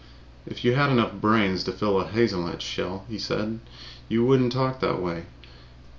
"If you had enough brains to fill a hazelnut shell," he said, "you wouldn't talk that way.